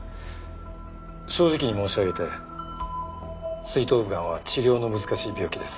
正直に申し上げて膵頭部がんは治療の難しい病気です。